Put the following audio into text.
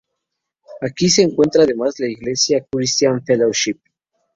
Aquí se encuentra además la Iglesia "Cristian Fellowship".